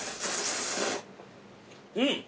うん！